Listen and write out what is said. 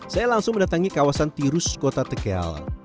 saya langsung mendatangi kawasan tirus kota tegal